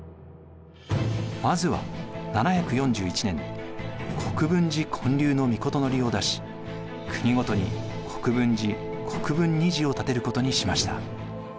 まずは７４１年に国分寺建立の詔を出し国ごとに国分寺国分尼寺を建てることにしました。